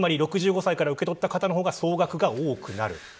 ６５歳から受け取った方の方が総額が多くなる。